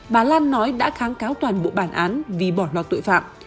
bà lan nói đã kháng cáo toàn bộ bản án vì bỏ lọt tội phạm